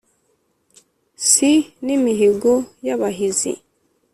si n’imihigo y’abahizi